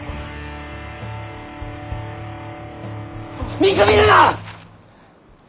見くびるな！